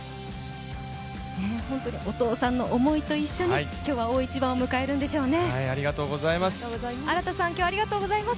お父さんの思いと一緒に、今日は大一番を迎えるんでしょうね。